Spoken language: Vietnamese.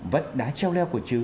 vẫn đá treo leo của chứ